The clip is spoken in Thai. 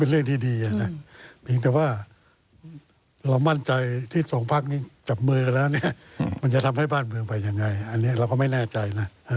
เราก็ไม่แน่ใจ